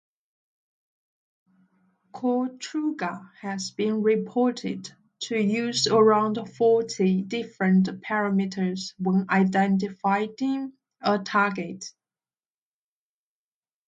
Kolchuga has been reported to use around forty different parameters when identifying a target.